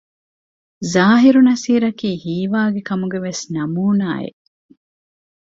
ޒާހިރު ނަޞީރަކީ ހީވާގި ކަމުގެވެސް ނަމޫނާއެއް